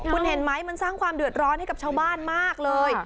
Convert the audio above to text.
คุณเห็นไหมมันสร้างความเดือดร้อนให้กับชาวบ้านมากเลย